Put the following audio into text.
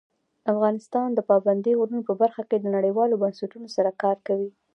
افغانستان د پابندی غرونه په برخه کې نړیوالو بنسټونو سره کار کوي.